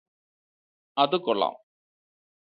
അത് കൊള്ളാം